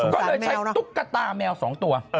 ก็เลยใช้ตุ๊กตาแมว๒ตัว